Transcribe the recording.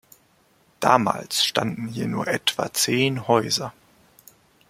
Damals standen hier nur etwa zehn Häuser.